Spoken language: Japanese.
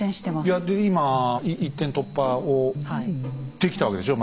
いやで今一点突破をできたわけでしょう？